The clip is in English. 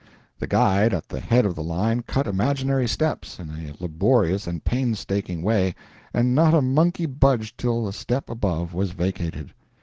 The "guide" at the head of the line cut imaginary steps, in a laborious and painstaking way, and not a monkey budged till the step above was vacated.